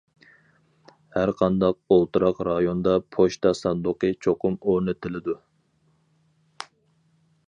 ھەرقانداق ئولتۇراق رايوندا پوچتا ساندۇقى چوقۇم ئورنىتىلىدۇ.